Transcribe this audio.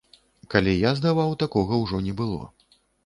Калі я здаваў, такога ўжо не было.